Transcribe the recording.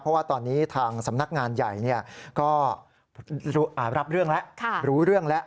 เพราะว่าตอนนี้ทางสำนักงานใหญ่ก็รับเรื่องแล้วรู้เรื่องแล้ว